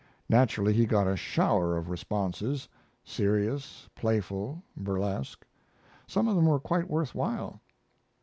Naturally he got a shower of responses serious, playful, burlesque. Some of them were quite worth while.